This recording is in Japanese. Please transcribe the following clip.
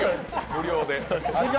無料で。